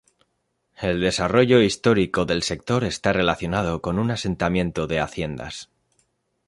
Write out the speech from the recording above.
El desarrollo histórico del sector está relacionado con un asentamiento de haciendas.